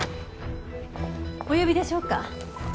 お呼びでしょうか？